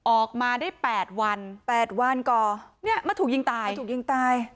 ออกมาได้๘วันถูกยิงตาย